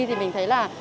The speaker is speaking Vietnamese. thì mình thấy là